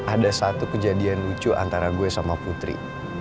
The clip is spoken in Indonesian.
ada satu kejadian lucu antara gue sama putri